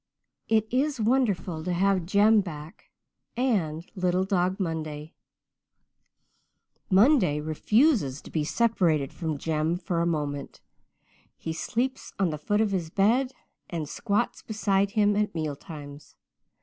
It is wonderful to have Jem back and little Dog Monday. Monday refuses to be separated from Jem for a moment. He sleeps on the foot of his bed and squats beside him at meal times.